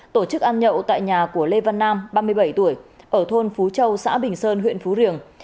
tổ chức ăn nhậu tại nhà của lê văn nam ba mươi bảy tuổi ở thôn phú châu xã bình sơn huyện phú riềng